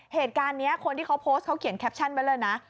เหตุการณ์นี้คนที่เขาโพสต์เขาเขียนแคปชั่นไว้เลยนะ